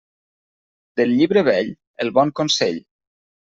Del llibre vell, el bon consell.